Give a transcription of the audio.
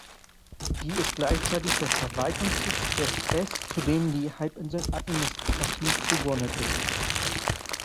Sie ist gleichzeitig der Verwaltungssitz des s, zu dem die Halbinsel administrativ zugeordnet ist.